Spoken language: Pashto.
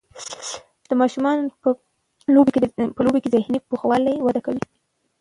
د ماشومانو په لوبو کې ذهني پوخوالی وده کوي.